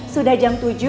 sudah jam tujuh